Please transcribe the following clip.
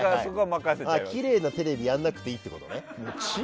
きれいなテレビやらなくていいってことね。